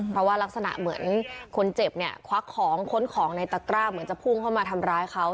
เพราะว่ารักษณะเหมือนคนเจ็บเนี่ยควักของค้นของในตะกร้าเหมือนจะพุ่งเข้ามาทำร้ายเขา